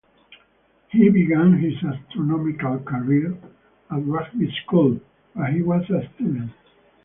He began his astronomical career at Rugby School, where he was a student.